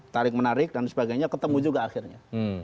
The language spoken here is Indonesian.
tarik menarik dan sebagainya ketemu juga akhirnya